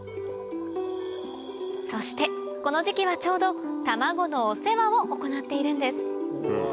そしてこの時期はちょうど卵のお世話を行っているんですうわ